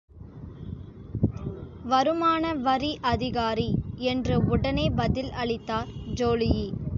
வருமான வரி அதிகாரி! என்று உடனே பதில் அளித்தார் ஜோலுயி.